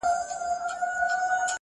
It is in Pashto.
ددې ښايستې نړۍ بدرنگه خلگ’